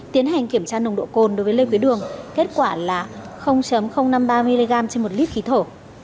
tiến hành kiểm tra nồng độ cồn đối với lê quý đường kết quả là năm mươi ba mg trên một lít khí thổ